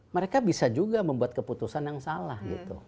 mereka bisa juga membuat keputusan yang salah gitu